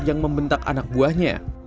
yang membentak anak buahnya